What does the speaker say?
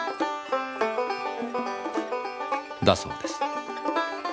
だそうです。